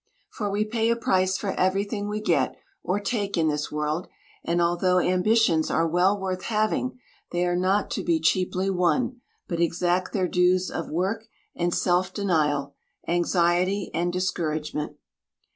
For we pay a price for everything we get or take in this world; and although ambitions are well worth having, they are not to be cheaply won, but exact their dues of work and self denial, anxiety and discouragement.